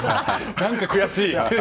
何か悔しい。